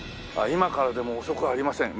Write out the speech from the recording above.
「今からでも遅くはありません。